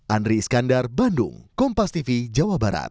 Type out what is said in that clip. andri iskandar bandung kompas tv jawa barat